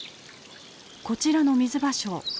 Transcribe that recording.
こちらのミズバショウ。